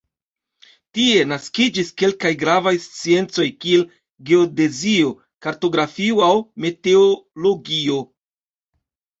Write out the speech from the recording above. Tie naskiĝis kelkaj gravaj sciencoj kiel geodezio, kartografio aŭ meteologio.